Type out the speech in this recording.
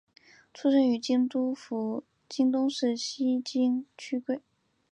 出身于京都府京都市西京区桂。